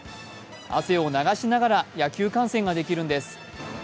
汗を流しながら野球観戦ができるんです。